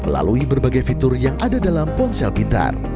melalui berbagai fitur yang ada dalam ponsel pintar